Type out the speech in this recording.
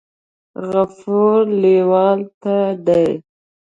غفور لیوال ته دې